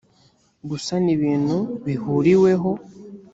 gusana ibintu bihuriweho